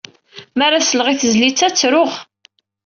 Mi ara sleɣ i tezlit-a, ttruɣ.